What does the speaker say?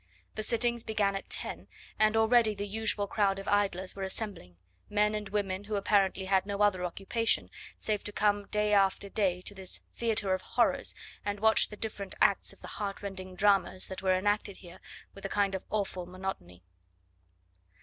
The sittings began at ten, and already the usual crowd of idlers were assembling men and women who apparently had no other occupation save to come day after day to this theatre of horrors and watch the different acts of the heartrending dramas that were enacted here with a kind of awful monotony.